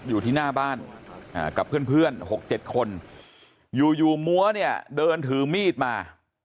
อยู่ที่หน้าบ้านกับเพื่อน๖๗คนอยู่อยู่มัวเนี่ยเดินถือมีดมา